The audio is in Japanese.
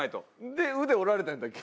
で腕折られたんやったっけ？